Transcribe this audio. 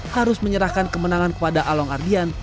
harus menyerahkan kemenangan kepada along ardian